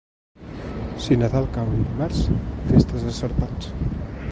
Si Nadal cau en dimarts, festes a sarpats.